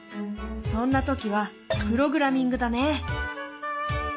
そんな時はプログラミングだね。